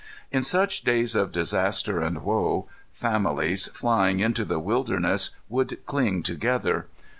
In such days of disaster and woe, families, flying into the wilderness, would cling together.